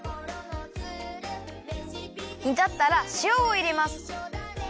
にたったらしおをいれます。